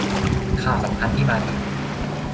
ข่าวสำคัญที่มาถึง